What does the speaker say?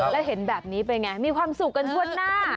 แล้วเห็นแบบนี้เป็นไงมีความสุขกันทั่วหน้า